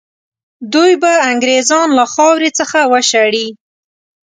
دوی به انګرېزان له خاورې څخه وشړي.